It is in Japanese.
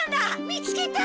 見つけた！